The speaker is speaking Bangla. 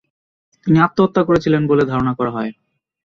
তিনি আত্মহত্যা করেছিলেন বলে ধারণা করা হয়।